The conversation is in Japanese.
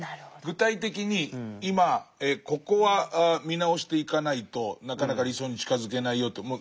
具体的に今ここは見直していかないとなかなか理想に近づけないよと。